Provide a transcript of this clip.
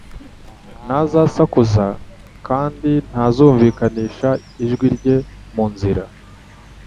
ntazasakuza, kandi ntazumvikanisha ijwi rye mu nzira.